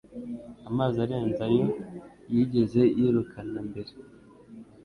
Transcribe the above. amazi arenze ayo yigeze yirukana mbere